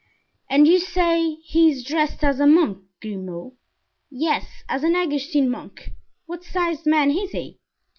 "And you say he is dressed as a monk, Grimaud?" "Yes, as an Augustine monk." "What sized man is he?"